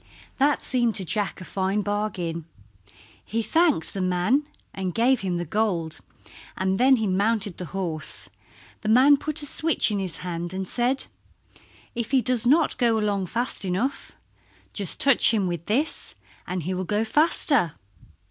That seemed to Jack a fine bargain. He thanked the man and gave him the gold, and then he mounted the horse. The man put a switch in his hand and said, "If he does not go along fast enough just touch him with this and he will go faster."